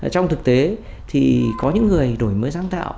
trong thực tế thì có những người đổi mới sáng tạo